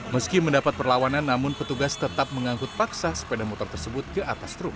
meski mendapat perlawanan namun petugas tetap mengangkut paksa sepeda motor tersebut ke atas truk